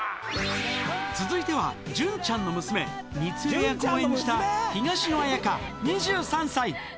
続いては、潤ちゃんの娘、みつえ役を演じた、東野綾香２３歳。